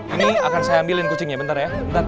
ini akan saya ambilin kucingnya bentar ya